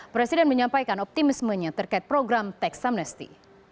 presiden menyampaikan optimismenya terkait program teksamnesti